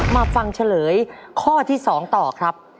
มาฟังเฉลยข้อที่๒ต่อครับ